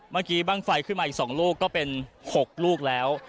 เมื่อกี้บ้างไฟขึ้นมาอีก๒ลูกก็เป็น๖ลูกแล้ว